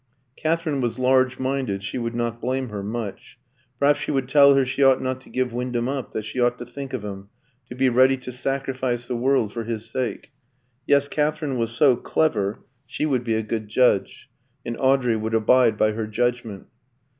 Katherine was large minded, she would not blame her much; perhaps she would tell her she ought not to give Wyndham up, that she ought to think of him, to be ready to sacrifice the world for his sake. Yes, Katherine was so "clever," she would be a good judge; and Audrey would abide by her judgment.